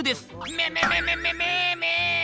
めめめめめめめ！